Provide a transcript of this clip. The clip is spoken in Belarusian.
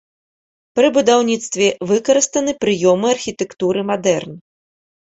Пры будаўніцтве выкарыстаны прыёмы архітэктуры мадэрн.